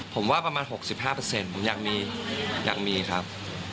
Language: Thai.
ผมว่าประมาณ๖๕ผมอยากมีครับ